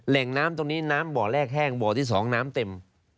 แหล่งน้ำตรงนี้น้ำบ่อแรกแห้งบ่อที่๒น้ำเต็ม